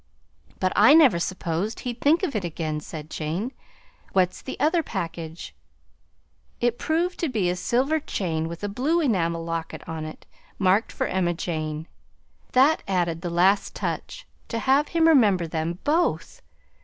But I never supposed he'd think of it again," said Jane. "What's the other package?" It proved to be a silver chain with a blue enamel locket on it, marked for Emma Jane. That added the last touch to have him remember them both!